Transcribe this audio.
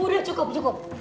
bu udah cukup cukup